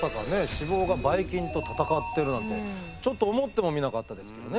脂肪がバイ菌と戦ってるなんてちょっと思ってもみなかったですけどね